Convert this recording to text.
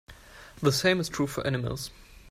The same is true for animals.